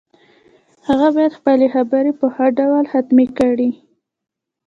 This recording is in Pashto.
هغه باید خپلې خبرې په ښه ډول ختمې کړي